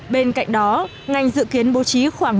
bên cạnh đó ngành dự kiến bôi trường